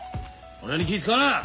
俺に気ぃ遣うな！